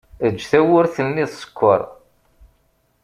Eǧǧ tawwurt-nni tsekkeṛ.